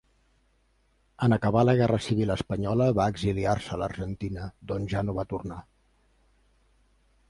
En acabar la guerra civil espanyola va exiliar-se a l'Argentina, d'on ja no va tornar.